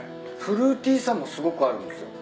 フルーティーさもすごくあるんすよ。